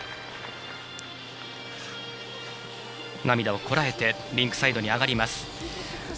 涙をこらえてリンクサイドに上がります。